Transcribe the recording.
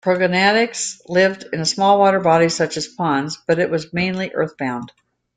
"Proganochelys" lived in small water bodies such as ponds, but it was mainly earthbound.